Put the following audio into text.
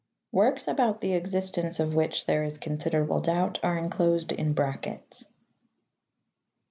(Works about'^the existence of which there is considerable doubt are enclosed in brackets.)